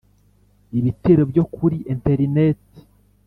Ibitero byo kuri interineti